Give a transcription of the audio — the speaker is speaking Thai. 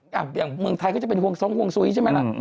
อย่างเมืองไทยก็จะเป็นห่วงทรงห่วงซุ้ยใช่ไหมล่ะ